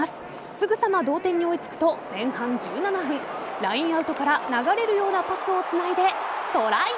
すぐさま同点に追いつくと前半１７分ラインアウトから流れるようなパスをつないでトライ。